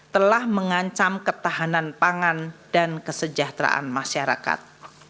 telah mengancam ketahanan pangan dan kesejahteraan masyarakat